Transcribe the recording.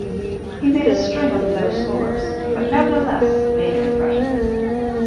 He made a string of low scores, but neverhteless made an impression.